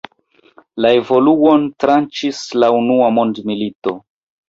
La evoluon tranĉis la unua mondmilito.